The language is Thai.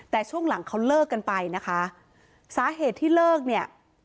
แต่ช่วงหลังเขาเลิกกันไปนะคะสาเหตุที่เลิกเนี่ย